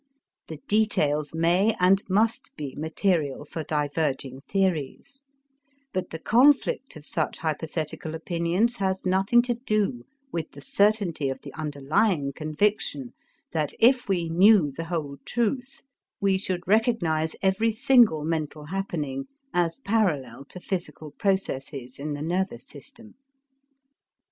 The details may and must be material for diverging theories, but the conflict of such hypothetical opinions has nothing to do with the certainty of the underlying conviction that if we knew the whole truth, we should recognize every single mental happening as parallel to physical processes in the nervous system.